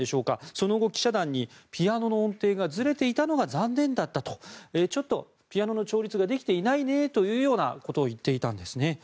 その後、記者団にピアノの音程がずれていたのが残念だったとちょっとピアノの調律ができていないねということを言っていたんですね。